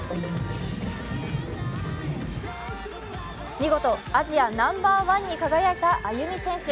見事アジアナンバーワンに輝いたＡＹＵＭＩ選手。